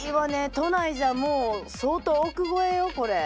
都内じゃもう相当億超えよこれ。